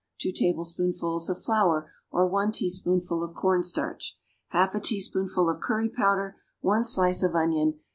2 tablespoonfuls of flour, or 1 teaspoonful of cornstarch. 1/2 a teaspoonful of curry powder. 1 slice of onion.